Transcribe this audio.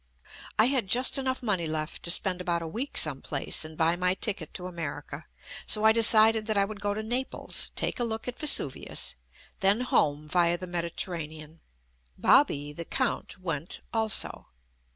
I had just enough money left to spend about a week some place and buy my ticket to Amer JUST ME ica, so I decided that I would go to Naples, take a look at Vesuvius, then home via the Mediterranean.* "Bobby," the Count, went also.